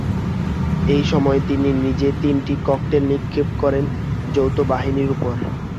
এ সময় তিনি নিজে তিনটি ককটেল নিক্ষেপ করেন যৌথ বাহিনীর ওপর।